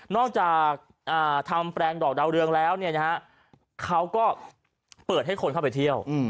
จากทำแปลงดอกดาวเรืองแล้วเขาก็เปิดให้คนเข้าไปเที่ยว